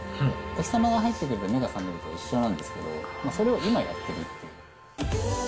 お日様が入ってくると目が覚めるのと一緒なんですけど、それを今やってるっていう。